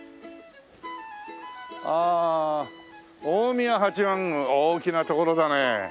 ああ大宮八幡宮大きな所だね。